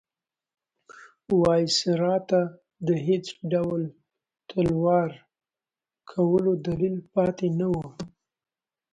وایسرا ته د هېڅ ډول تلوار کولو دلیل پاتې نه وو.